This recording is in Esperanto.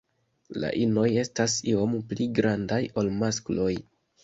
La inoj estas iom pli grandaj ol maskloj.